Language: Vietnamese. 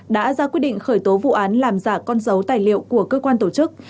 đã ra quyết định khởi tố vụ án làm giả con dấu tài liệu của cơ quan tổ chức